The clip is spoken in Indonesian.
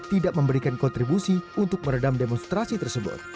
tidak memberikan kontribusi untuk meredam demonstrasi tersebut